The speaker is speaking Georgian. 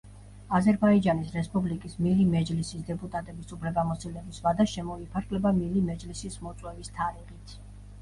აზერბაიჯანის რესპუბლიკის მილი მეჯლისის დეპუტატების უფლებამოსილების ვადა შემოიფარგლება მილი მეჯლისის მოწვევის თარიღით.